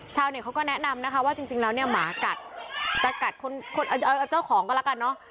เขาก็แนะนำนะคะว่าจริงแล้วเนี่ยหมากัดจะกัดคนเอาเจ้าของก็แล้วกันเนอะ